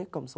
cổng số năm